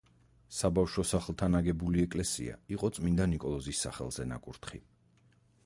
საბავშვო სახლთან აგებული ეკლესია იყო წმინდა ნიკოლოზის სახელზე ნაკურთხი.